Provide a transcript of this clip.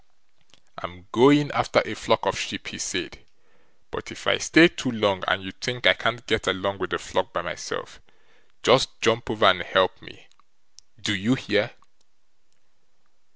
"I'm going after a flock of sheep", he said, "but if I stay too long, and you think I can't get along with the flock by myself, just jump over and help me; do you hear?"